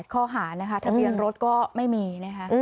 ข้อหานะคะทะเบียนรถก็ไม่มีนะคะ